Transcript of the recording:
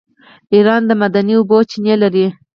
ایران د معدني اوبو چینې لري.